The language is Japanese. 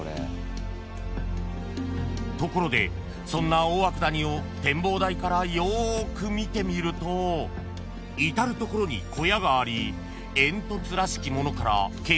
［ところでそんな大涌谷を展望台からよく見てみると至る所に小屋があり煙突らしき物から煙が出ている］